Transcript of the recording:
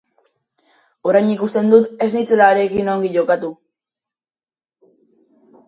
Orain ikusten dut ez nintzela harekin ongi jokatu.